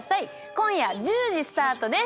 今夜１０時スタートです。